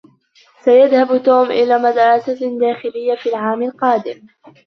سيذهب توم إلى مدرسة داخلية في العام القادم.